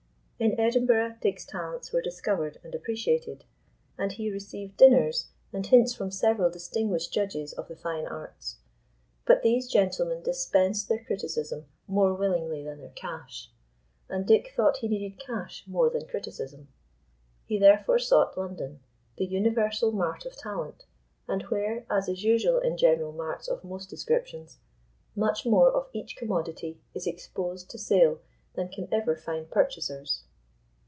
In Edinburgh, Dick's talents were discovered and appreciated, and he received dinners and hints from several distinguished judges of the fine arts. But these gentlemen dispensed their criticism more willingly than their cash, and Dick thought he needed cash more than criticism. He therefore sought London, the universal mart of talent, and where, as is usual in general marts of most descriptions, much more of each commodity is exposed to sale than can ever find purchasers.